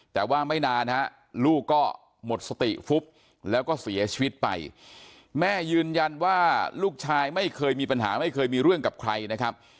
แต่ว่าไม่นานฮะลูกก็หมดสติฟุบแล้วก็เสียชีวิตไปแม่ยืนยันว่าลูกชายไม่เคยมีปัญหาไม่เคยมีเรื่องกับใครนะครับ